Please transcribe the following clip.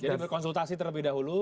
jadi konsultasi terlebih dahulu